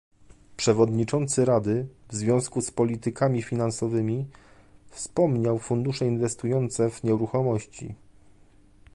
Przewodniczący Rady, w związku z politykami finansowymi, wspomniał fundusze inwestujące w nieruchomości